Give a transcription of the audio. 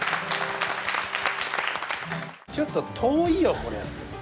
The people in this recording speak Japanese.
ちょっと遠いよこれ。